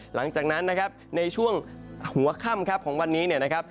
หลังจากนั้นนะครับในช่วงหัวข้ำของวันนี้นะครับ